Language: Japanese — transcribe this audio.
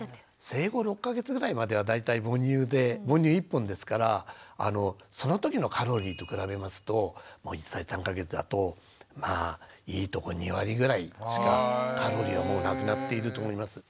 生後６か月ぐらいまでは大体母乳で母乳一本ですからそのときのカロリーと比べますと１歳３か月だとまあいいとこ２割ぐらいしかカロリーはもうなくなっていると思います。